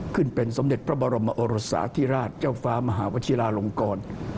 ขึ้นเป็นสมเด็จพระบรมโอรสาธิราชเจ้าฟ้ามหาวชิลาลงกร